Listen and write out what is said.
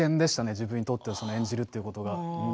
自分にとって演じるということが。